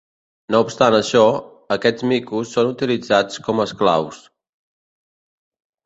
No obstant això, aquests micos són utilitzats com esclaus.